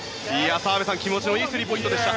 澤部さん、気持ちのいいスリーポイントでした。